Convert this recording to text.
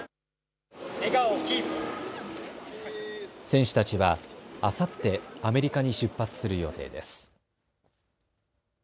選手たちはあさってアメリカに出発する予定です。